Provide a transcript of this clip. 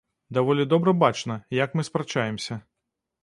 Даволі добра бачна, як мы спрачаемся.